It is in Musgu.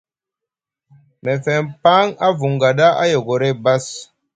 Mefeŋ paŋ a vunga ɗa a yogoray bass.